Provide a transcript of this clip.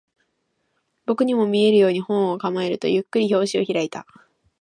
僕にも見えるように、本を構えると、ゆっくり表紙を開いた